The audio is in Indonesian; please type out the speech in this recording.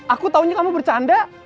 aku taunya kamu bercanda